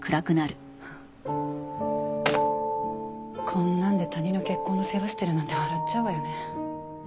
こんなんで他人の結婚の世話してるなんて笑っちゃうわよね。